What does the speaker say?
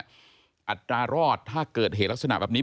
อัตรารอดถ้าเกิดเหตุลักษณะแบบนี้